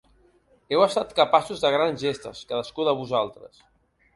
Heu estat capaços de grans gestes, cadascú de vosaltres.